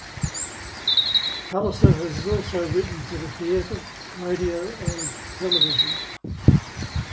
Palliser has also written for the theatre, radio, and television.